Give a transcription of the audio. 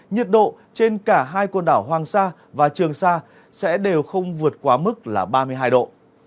nhiệt độ trên cả hai quần đảo hoàng sa và trường sa sẽ đều không vượt quá mức là ba mươi hai độ